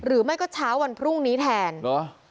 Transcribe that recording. หรือไม่ก็เช้าวันพรุ่งนี้แทนเนอะ